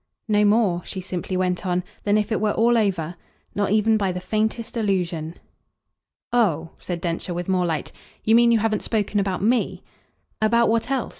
"No more," she simply went on, "than if it were all over. Not even by the faintest allusion." "Oh," said Densher with more light, "you mean you haven't spoken about ME?" "About what else?